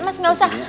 mas gak usah